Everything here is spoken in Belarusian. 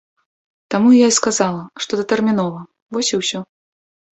Таму я і сказала, што датэрмінова, вось і ўсё.